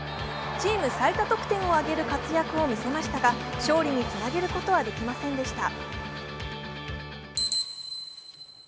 チーム最多得点を挙げる活躍を見ましたが勝利につなげることはできませんでした。